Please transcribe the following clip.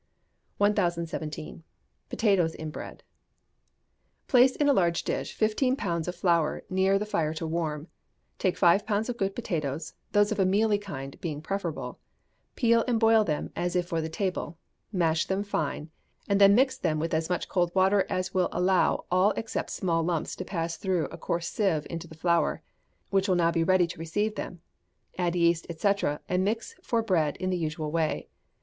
1017. Potatoes in Bread. Place in a large dish fifteen pounds of flour near the fire to warm; take five pounds of good potatoes, those of a mealy kind being preferable, peel and boil them as if for the table, mash them fine, and then mix with them as much cold water as will allow all except small lumps to pass through a coarse sieve into the flour, which will now be ready to receive them; add yeast, &c., and mix for bread in the usual way.